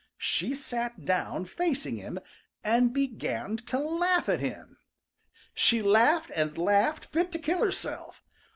She sat down facing him and began to laugh at him. She laughed and laughed fit to kill herself.